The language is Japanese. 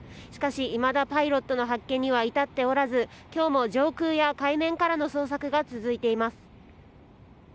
しかし、いまだパイロットの発見には至っておらず今日も上空や海面からの捜索が続いています。